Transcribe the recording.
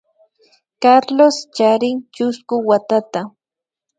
Carlos charin chusku watata